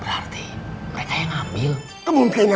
berarti mereka yang ambil kemungkinan